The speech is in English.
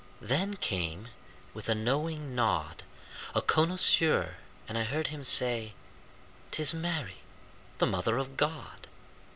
Then came, with a knowing nod, A connoisseur, and I heard him say; "'Tis Mary, the Mother of God."